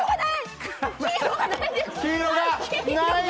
黄色がない！